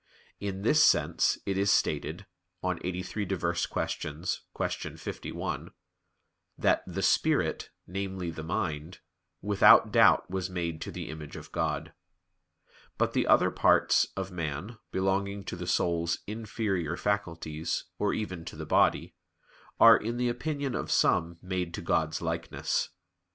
In this sense it is stated (QQ. 83, qu. 51) that "the spirit" (namely, the mind) without doubt was made to the image of God. "But the other parts of man," belonging to the soul's inferior faculties, or even to the body, "are in the opinion of some made to God's likeness."